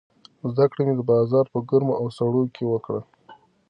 زده کړه مې د بازار په ګرمو او سړو کې وکړه.